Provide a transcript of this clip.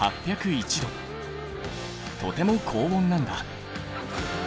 とても高温なんだ。